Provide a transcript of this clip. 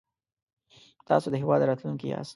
تاسو د هېواد راتلونکی ياست